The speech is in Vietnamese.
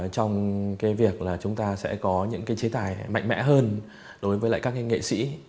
trong việc chúng ta sẽ có những chế tài mạnh mẽ hơn đối với các nghệ sĩ